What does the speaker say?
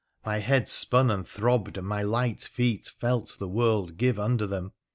My head spun and throbbed, and my light feet felt the world give under them.